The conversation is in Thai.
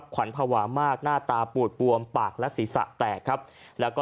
ขวัญภาวะมากหน้าตาปูดปวมปากและศีรษะแตก